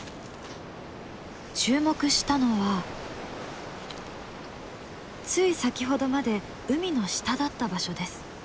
注目したのはつい先ほどまで海の下だった場所です。